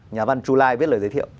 nhà văn chulai viết lời giới thiệu